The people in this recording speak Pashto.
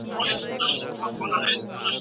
هغه تل په خپلې خاموشۍ کې ډېر مفاهم لري.